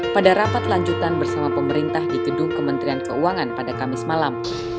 pada rapat lanjutan bersama pemerintah di gedung kementerian keuangan pada kamis malam